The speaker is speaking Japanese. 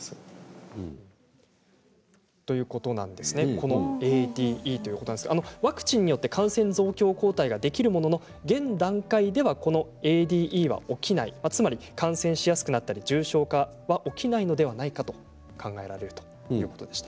このＡＤＥということなんですがワクチンによって感染増強抗体ができるものの現段階ではこのＡＤＥが起きないつまり感染しやすくなったり重症化は起きないのではないかと考えられるということでした